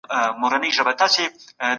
که مصلحت وي نو ټول به د مکتب خوا ته ولاړ سي.